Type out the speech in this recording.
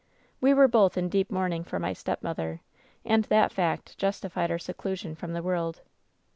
"We were both in deep mourning for my stepmother, and that fact justified our seclusion from the world.